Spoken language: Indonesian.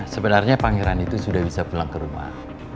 sebenarnya pangeran itu sudah bisa pulang ke rumah